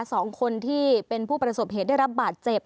สองคนที่เป็นผู้ประสบเหตุได้รับบาดเจ็บ